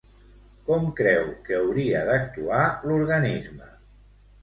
Com creu que hauria d'actuar l'organisme?